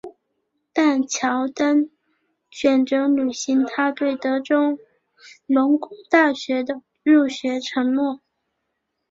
但乔丹选择履行他对德州农工大学的入学承诺。